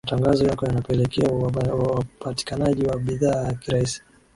matangazo yako yanapelekea uapatikanaji wa bidhaa kirahisi